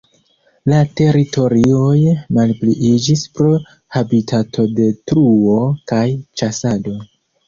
La teritorioj malpliiĝis pro habitatodetruo kaj ĉasado.